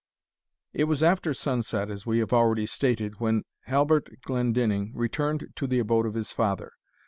It was after sunset, as we have already stated, when Halbert Glendinning returned to the abode of his father.